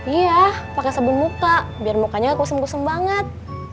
iya pake sabun muka biar mukanya gak kusam kusam banget